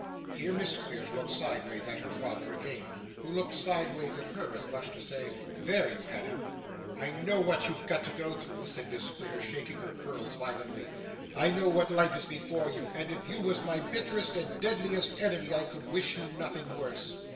Here Miss Squeers looked sideways at her father again, who looked sideways at her, as much as to say, 'There you had him.' 'I know what you've got to go through,' said Miss Squeers, shaking her curls violently. 'I know what life is before you, and if you was my bitterest and deadliest enemy, I could wish you nothing worse.